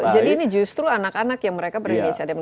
jadi ini justru anak anak yang mereka perhubungan